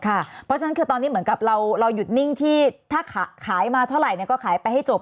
เพราะฉะนั้นคือตอนนี้เหมือนกับเราหยุดนิ่งที่ถ้าขายมาเท่าไหร่ก็ขายไปให้จบ